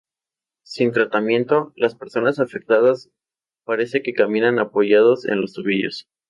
Sin tratamiento, las personas afectadas parece que caminan apoyados en los tobillos.